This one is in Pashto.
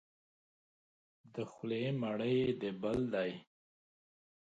د خولې مړی یې د بل دی.